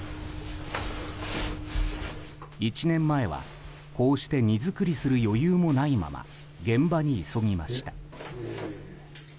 １年前はこうして荷造りする余裕もないまま現場に急ぎました。